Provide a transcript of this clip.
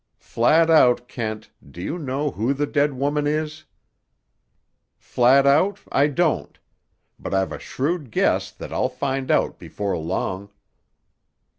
"Flat out, Kent, do you know who the dead woman is?" "Flat out, I don't. But I've a shrewd guess that I'll find out before long."